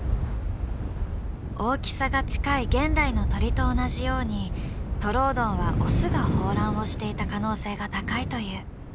大きさが近い現代の鳥と同じようにトロオドンはオスが抱卵をしていた可能性が高いという。